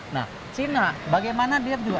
nah china bagaimana dia juga